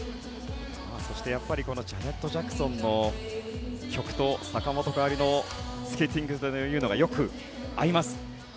そしてジャネット・ジャクソンの曲と坂本花織のスケーティングがよく合います。